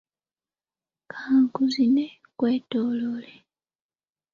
Ka nkuzine nkwetoloole.